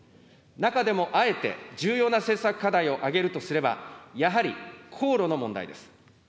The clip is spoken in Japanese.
中でもあえて重要な政策課題を挙げるとすれば、やはり航路の問題です。